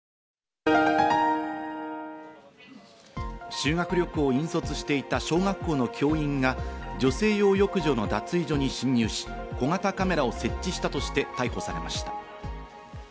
修学旅行を引率していた小学校の教員が、女性用浴場の脱衣所に侵入し、小型カメラを設置したとして逮捕されました。